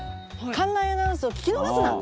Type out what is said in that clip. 館内アナウンスを聞き逃すな！